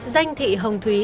danh thị hồng thúy